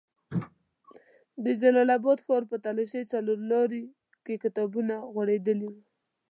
د جلال اباد ښار په تالاشۍ څلور لاري کې کتابونه غوړېدلي وو.